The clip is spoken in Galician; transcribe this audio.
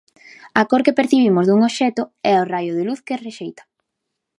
A cor que percibimos dun obxecto é o raio de luz que rexeita.